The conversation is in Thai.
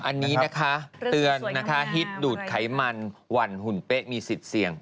อันนี้นะคะเตือนนะคะฮิตดูดไขมันหวั่นหุ่นเป๊ะมีสิทธิ์เสี่ยง